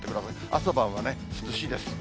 朝晩は涼しいです。